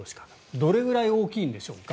どれぐらい大きいんでしょうか。